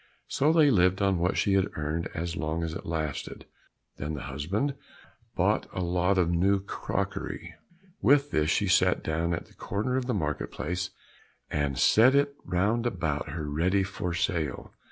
So they lived on what she had earned as long as it lasted, then the husband bought a lot of new crockery. With this she sat down at the corner of the market place, and set it out round about her ready for sale.